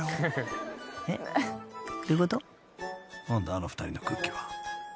あの２人の空気は］